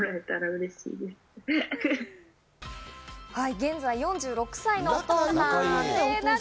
現在４６歳のお父さん。